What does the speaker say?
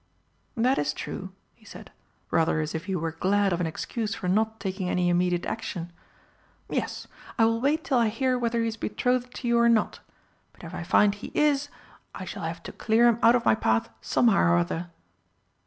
"That is true," he said, rather as if he were glad of an excuse for not taking any immediate action. "Yes, I will wait till I hear whether he is betrothed to you or not. But if I find he is, I shall have to clear him out of my path somehow or other."